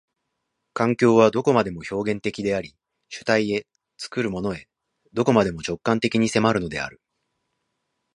環境はどこまでも表現的であり、主体へ、作るものへ、どこまでも直観的に迫るのである。